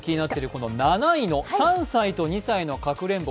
この７位の３歳と２歳のかくれんぼ。